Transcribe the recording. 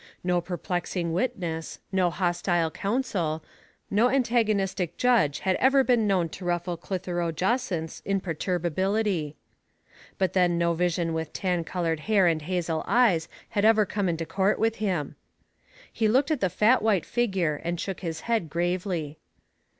No perplexing witness, no hostile counsel, no antagonistic judge had ever been known to ruffle Clitheroe Jacynth*s imperturba bility. But then no vision with tan colored hair and hazel eyes had ever come into court with him. He looked at the fat white figure, and shook his phead gravely.